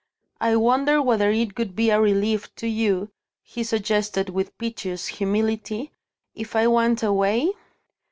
"I wonder whether it would be a relief to you," he suggested with piteous humility, "if I went away?"